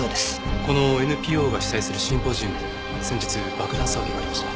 このＮＰＯが主催するシンポジウムで先日爆弾騒ぎがありました。